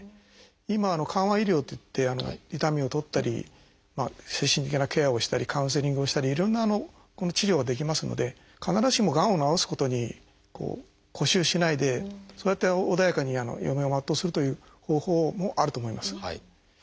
今は「緩和医療」っていって痛みを取ったり精神的なケアをしたりカウンセリングをしたりいろんな治療ができますので必ずしもがんを治すことに固執しないでそうやって穏やかに余命を全うするという方法もあると思います。